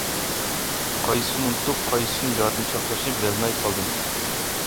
قايسىسىنى ئۇنتۇپ، قايسىسىنى يادىمدا ساقلاشنى بىلەلمەي قالدىم.